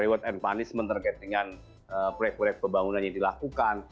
pembangunan yang panis menerget dengan proyek proyek pembangunan yang dilakukan